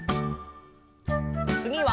つぎは。